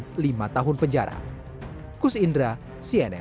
alhasil arswendo diproses secara hukum dan difilm oleh penyelidikan